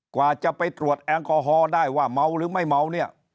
กว่าจะไปตรวจแอลกอฮอล์ได้ว่าเมาหรือไม่เมาเนี่ย